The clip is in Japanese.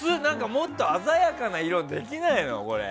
もっと鮮やかな色にできないの？